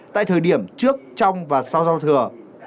tại thời điểm trước trong và sau giao thừa